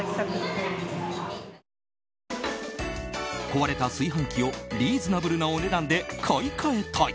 壊れた炊飯器をリーズナブルなお値段で買い替えたい。